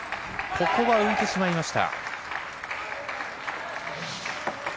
ここは浮いてしまいました。